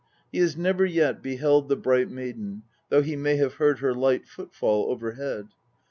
He. has never yet beheld the bright maiden, though he may have heard her light footfall overhead.